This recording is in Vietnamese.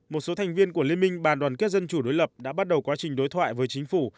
một số thành viên của liên minh bàn đoàn kết dân chủ đối lập đã bắt đầu quá trình đối thoại với chính phủ